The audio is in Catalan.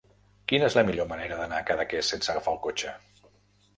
Quina és la millor manera d'anar a Cadaqués sense agafar el cotxe?